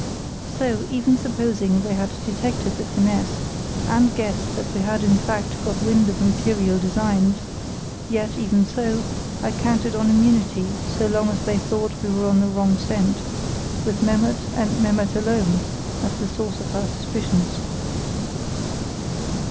So, even supposing they had detected the finesse, and guessed that we had in fact got wind of imperial designs; yet, even so, I counted on immunity so long as they thought we were on the wrong scent, with Memmert, and Memmert alone, as the source of our suspicions.